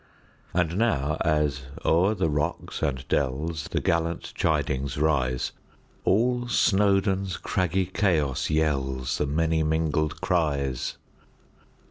And now, as o'er the rocks and dellsThe gallant chidings rise, All Snowdon's craggy chaos yellsThe many mingled cries!